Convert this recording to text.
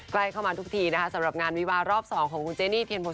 ใกล้เข้ามาทุกทีนะคะสำหรับงานวิวารอบ๒ของคุณเจนี่เทียนโพ